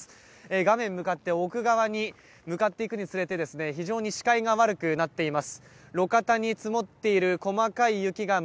画面向かって奥側に向かっていくにつれてですね、視界が悪くなっています。